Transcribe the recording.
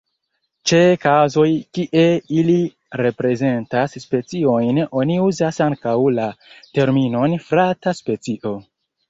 Ĉe kazoj kie ili reprezentas speciojn, oni uzas ankaŭ la terminon frata specio.